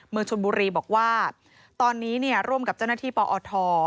เมืองชนบุรีบอกว่าตอนนี้ร่วมกับเจ้าหน้าที่ปอท